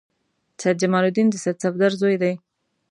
سید جمال الدین د سید صفدر زوی دی.